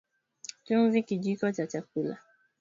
Chumvi Kijiko cha chakula